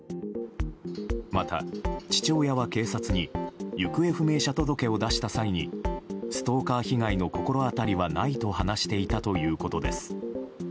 また、父親は警察に行方不明者届を出した際にストーカー被害の心当たりはないと話していたということです。